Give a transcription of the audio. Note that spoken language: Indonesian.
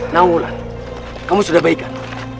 naung ulan kamu sudah baik kan